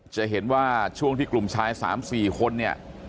จะเห็นว่าช่วงที่กลุ่มชาย๓๔คนเนี่ย